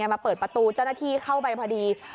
มาเปิดประตูเจ้าหน้าที่เข้าไปพอดี